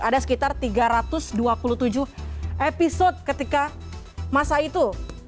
ada sekitar tiga ratus dua puluh tujuh episode ketika masa itu